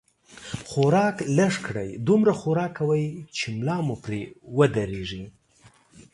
خوراک لږ کړئ، دومره خوراک کوئ، چې ملا مو پرې ودرېږي